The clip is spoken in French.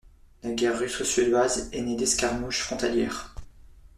La guerre russo-suédoise est née d'escarmouches frontalières.